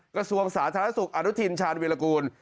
กระทรวงสาธารณสุขอนุทินชาญวิรากูล